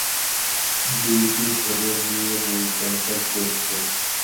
দুইটি ভবন নিয়ে মূল ক্যাম্পাস গঠিত।